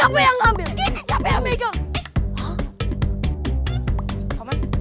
berhasil empat tahun